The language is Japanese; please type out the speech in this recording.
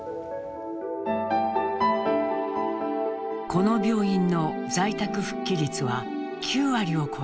この病院の在宅復帰率は９割を超えます。